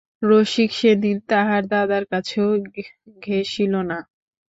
রসিক সেদিন তাহার দাদার কাছেও ঘেঁষিল না।